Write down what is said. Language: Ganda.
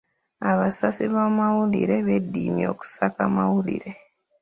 Abasasi b'amawulire beedimye okusaka amawulire.